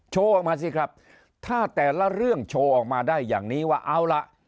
ออกมาสิครับถ้าแต่ละเรื่องโชว์ออกมาได้อย่างนี้ว่าเอาล่ะ